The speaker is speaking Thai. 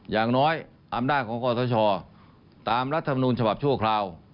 อย่างน้อยอำนาจของกฎศชอตามรัฐธรรมนุนชบับชั่วคราว